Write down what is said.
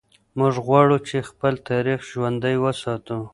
موږ غواړو چې خپل تاریخ ژوندی وساتو.